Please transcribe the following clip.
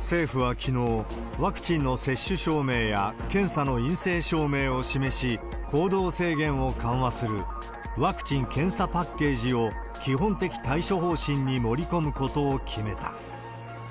政府はきのう、ワクチンの接種証明や検査の陰性証明を示し、行動制限を緩和するワクチン・検査パッケージを基本的対処方針に盛り込むことを決めた。